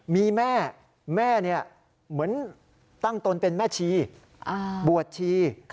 มีแม่แม่เหมือนตั้งตนเป็นแม่ชีบวชชี